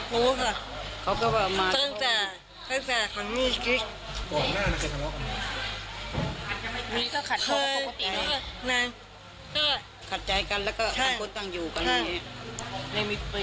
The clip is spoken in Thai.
โหค่ะมีก็ขัดข่าวปกตินะน่ะขัดใจกันแล้วก็ต้องอยู่กันอย่างเงี้ย